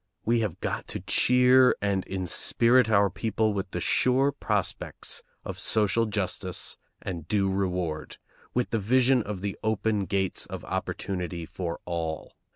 We have got to cheer and inspirit our people with the sure prospects of social justice and due reward, with the vision of the open gates of opportunity for all.